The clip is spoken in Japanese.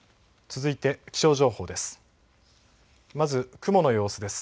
続いて気象情報です。